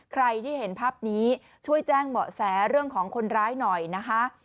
ใครที่เห็นภาพนี้ช่วยแจ้งเบาะแสเรื่องของคนร้ายหน่อยนะคะ